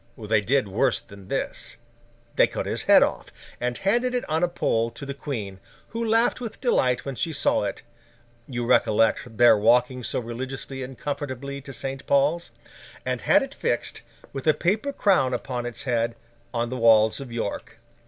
They did worse than this; they cut his head off, and handed it on a pole to the Queen, who laughed with delight when she saw it (you recollect their walking so religiously and comfortably to St. Paul's!), and had it fixed, with a paper crown upon its head, on the walls of York.